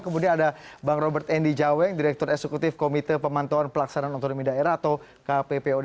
kemudian ada bang robert endi jaweng direktur eksekutif komite pemantauan pelaksanaan otonomi daerah atau kppod